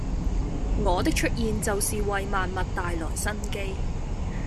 我的出現就是為萬物帶來生機